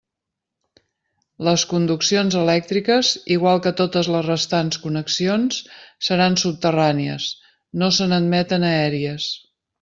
Les conduccions elèctriques, igual que totes les restants connexions, seran subterrànies, no se n'admeten aèries.